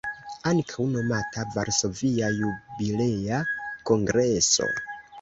Ankaŭ nomata "Varsovia Jubilea Kongreso".